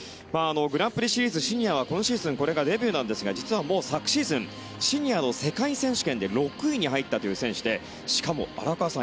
グランプリシリーズシニアは今シーズンこれがデビューですが昨シーズンシニアの選手権で６位に入ったという選手でしかも荒川さん